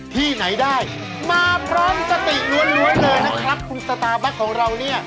ที่ไหนได้มาพร้อมสติล้วนเลยนะครับคุณสตาร์บัคของเราเนี่ย